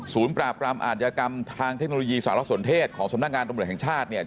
ปราบรามอาธิกรรมทางเทคโนโลยีสารสนเทศของสำนักงานตำรวจแห่งชาติเนี่ย